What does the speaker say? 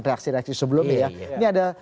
reaksi reaksi sebelumnya ya ini ada